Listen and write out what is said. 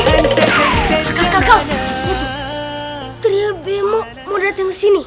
itu trio bemo mau dateng kesini